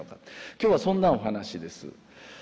今日はそんなお話です。